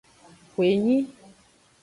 Xwenyi.